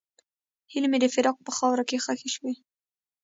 هیلې مې د فراق په خاوره کې ښخې شوې.